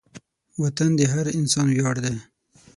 وطن د هر انسان ویاړ دی.